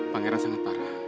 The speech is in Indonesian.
pengairan sangat parah